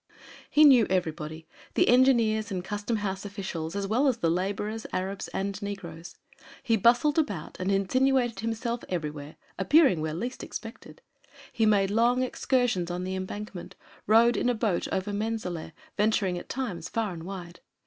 He knew everybody the engineers and custom house officials as well as the laborers, Arabs and negroes. He bustled about and insinuated himself everywhere, appearing where least expected; he made long excursions on the embankment, rowed in a boat over Menzaleh, venturing at times far and wide.